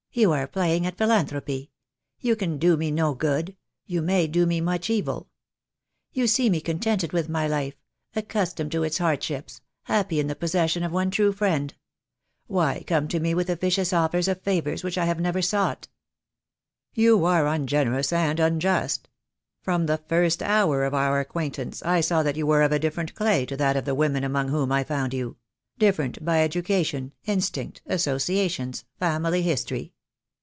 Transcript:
"You are playing at philanthropy. You can do me no good — you may do me much evil. You see me contented with my life — accustomed to its hardships — happy in the possession of one true friend. Why come to me with officious offers of favours which I have never sought?" THE DAY WILL COME. 149 "You are ungenerous, and unjust. From the first hour of our acquaintance I saw that you were of a dif ferent clay to that of the women among whom I found you — different by education, instinct, associations, family history.